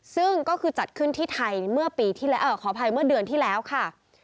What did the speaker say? ซึ่งก็คือจัดขึ้นที่ไทยเมื่อปีที่แล้วขออภัยเมื่อเดือนที่แล้วค่ะ